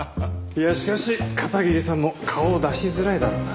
いやしかし片桐さんも顔を出しづらいだろうな。